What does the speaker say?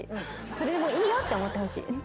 それでもいいよって思ってほしい。